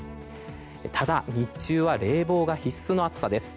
ただ、日中は冷房が必須の暑さです。